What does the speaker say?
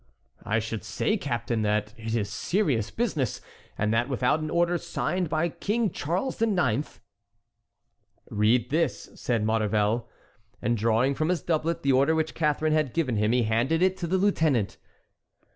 "I should say, captain, that it is serious business and that without an order signed by King Charles IX."— "Read this," said Maurevel. And drawing from his doublet the order which Catharine had given him he handed it to the lieutenant.